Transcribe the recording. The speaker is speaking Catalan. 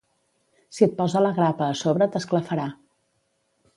Si et posa la grapa a sobre t'esclafarà.